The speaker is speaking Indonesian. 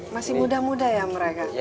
masih muda muda ya mereka